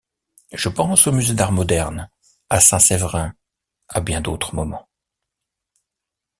Je pense au Musée d'Art moderne, à Saint-Séverin, à bien d'autres moments.